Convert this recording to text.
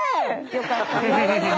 よかった。